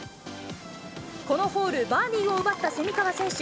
このホール、バーディーを奪った蝉川選手。